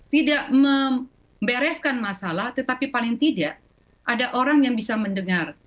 tidak membereskan masalah tetapi paling tidak ada orang yang bisa mendengar